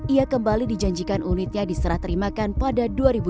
ia kembali dijanjikan unitnya diserah terimakan pada dua ribu dua puluh